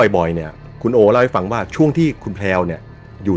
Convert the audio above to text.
บ่อยเนี่ยคุณโอเล่าให้ฟังว่าช่วงที่คุณแพลวเนี่ยอยู่